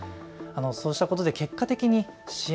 そうしたことで結果的に支援